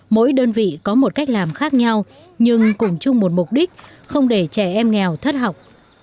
mỗi đơn vị có một cách làm khác nhau nhưng cùng chung một mục đích không để trẻ em nghèo thất học